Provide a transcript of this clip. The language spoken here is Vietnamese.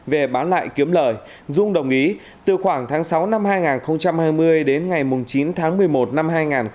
về bán lại kiếm lời dung đồng ý từ khoảng tháng sáu năm hai nghìn hai mươi đến ngày chín tháng một mươi một năm hai nghìn hai mươi